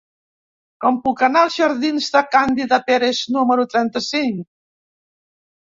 Com puc anar als jardins de Càndida Pérez número trenta-cinc?